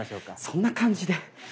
そんな感じで。